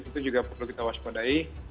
itu juga perlu kita waspadai